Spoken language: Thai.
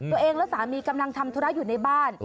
ตัวเองและสามีกำลังทำธุระอยู่ในบ้าน